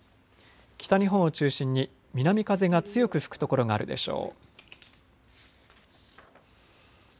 北日本を中心に南風が強く吹く所があるでしょう。